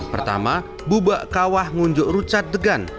pertama bubak kawah ngunjuk rucat degan